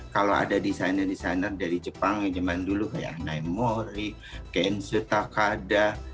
kalau ada designer designer dari jepang yang zaman dulu kayak naimori kenzutakada